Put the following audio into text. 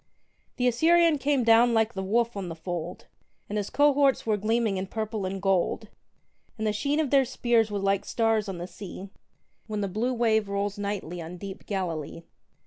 35) The Assyrian came down like the wolf on the fold, And his cohorts were gleaming in purple and gold; And the sheen of their spears was like stars on the sea, When the blue wave rolls nightly on deep Galilee.